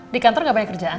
di kantor gak banyak kerjaan